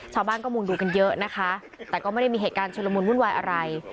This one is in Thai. ชาวบ้านก็มุ่งดูกันเยอะนะคะแต่ก็ไม่ได้มีเหตุการณ์ชุลมุนวุ่นวายอะไร